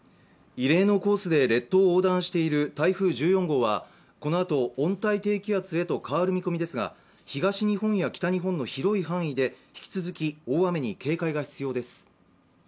異例のコースで列島を横断している台風１４号はこのあと温帯低気圧へと変わる見込みですが、東日本や北日本の広い範囲で引き続き大雨に警戒が必要です。